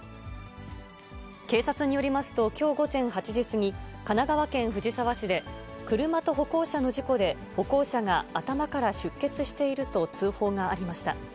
警察によりますと、きょう午前８時過ぎ、神奈川県藤沢市で、車と歩行者の事故で、歩行者が頭から出血していると通報がありました。